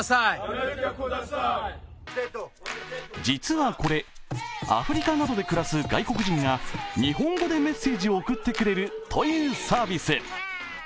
実はこれ、アフリカなどで暮らす外国人が日本語でメッセージを送ってくれるというサービス。